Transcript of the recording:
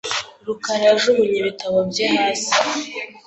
rukara yajugunye ibitabo bye hasi .